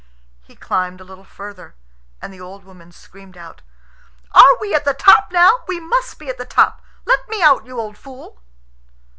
He climbed a little further, and the old woman screamed out, "Are we at the top now? We must be at the top. Let me out, you old fool!"